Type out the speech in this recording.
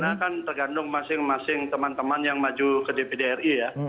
karena kan tergantung masing masing teman teman yang maju ke dpd ri ya